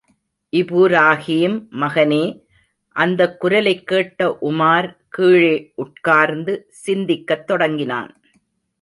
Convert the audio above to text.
இபுராகீம் மகனே! அந்தக் குரலைக் கேட்ட உமார் கீழே உட்கார்ந்து, சிந்திக்கத் தொடங்கினான்.